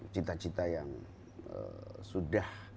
cita cita yang sudah